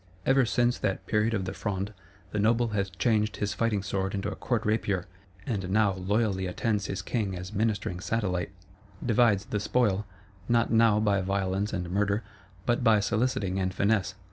Ever since that period of the Fronde, the Noble has changed his fighting sword into a court rapier, and now loyally attends his king as ministering satellite; divides the spoil, not now by violence and murder, but by soliciting and finesse.